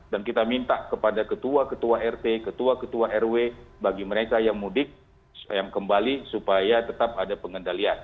dan kita minta kepada ketua ketua rt ketua ketua rw bagi mereka yang mudik yang kembali supaya tetap ada pengendalian